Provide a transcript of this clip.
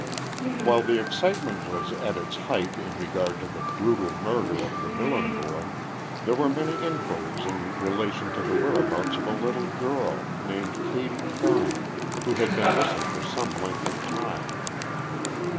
"While the excitement was at its height in regard to the brutal murder of the Milieu boy there were many inquiries in relation to the whereabouts of a little girl, named Katie Curran, who had been missing for some length of time.